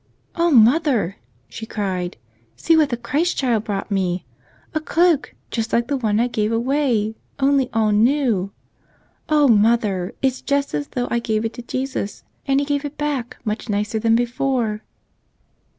"O mother," she cried, "see what the Christ Child brought me ! A cloak, just like the one I gave away, only all new! Oh, mother, it's just as though I gave it to Jesus, and He gave it back much nicer than before."